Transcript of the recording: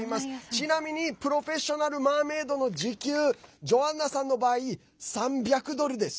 ちなみにプロフェッショナル・マーメードの時給ジョアンナさんの場合３００ドルです。